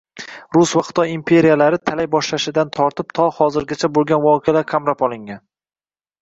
Rus va Xitoy imperiyalari talay boshlashidan tortib, to hozirgacha bo'layotgan voqealar qamrab olingan.